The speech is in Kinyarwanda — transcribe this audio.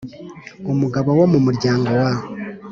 umugabo wo mu muryango wa